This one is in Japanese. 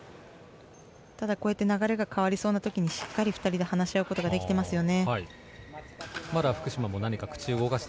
ただ、流れが変わりそうな時にしっかり２人で話し合うことができていますよね。